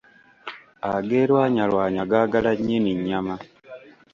Ageerwanyalwanya gaagala nnyini nnyama.